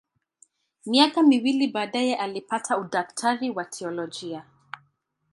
Miaka miwili baadaye alipata udaktari wa teolojia.